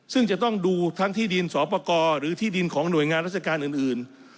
ซึ่งจะต้องดูทั้งที่ดินสอปกรหรือที่ดินของหน่วยงานราชการอื่น